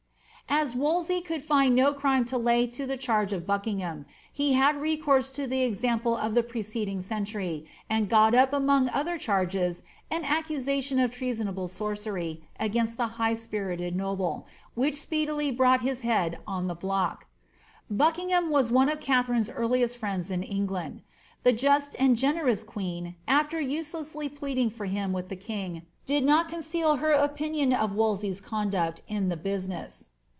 As Wolsey could find no crime to lay to the chai^ of Badungham, he had recourse to the example of the preceding century, and got up among other charges an accusation of treasonable sorcery acainst the high spirited noble, which speedily brought his head on Uie blocL Buckingham was one of Katharine's earliest friends in England. The just and generous queen, after uselessly pleading for him with the king, did not conceal her opinion of Wolsey's conduct in the business.